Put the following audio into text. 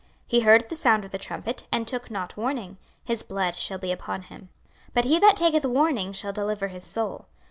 26:033:005 He heard the sound of the trumpet, and took not warning; his blood shall be upon him. But he that taketh warning shall deliver his soul.